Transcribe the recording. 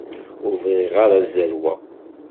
Ur bɣiɣ ara ad zerweɣ.